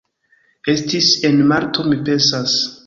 Estis en marto mi pensas